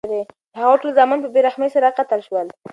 د هغه ټول زامن په بې رحمۍ سره قتل شول.